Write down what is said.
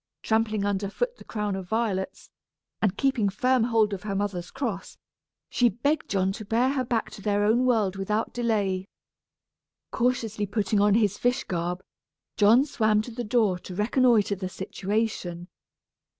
Trampling under foot the crown of violets, and keeping firm hold of her mother's cross, she begged John to bear her back to their own world without delay. Cautiously putting on his fish garb, John swam to the door to reconnoitre the situation.